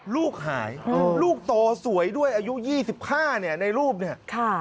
ลูกหายลูกโตสวยด้วยอายุ๒๕ในรูปนี่